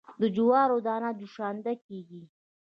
د جوارو دانه جوشانده کیږي.